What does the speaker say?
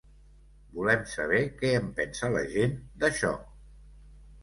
Volem saber que en pensa la gent, d’això.